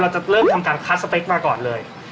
จะเริ่มทำการคัดสเปคมาก่อนเลย